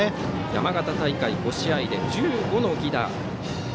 山形大会５試合で１５の犠打。